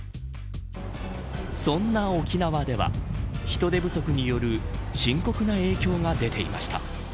そんな沖縄では人手不足による深刻な影響が出ていました。